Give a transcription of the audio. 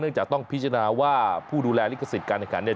เนื่องจากต้องพิจารณาว่าผู้ดูแลลิขสิทธิ์การเนื้อการ